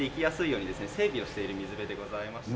整備をしている水辺でございまして。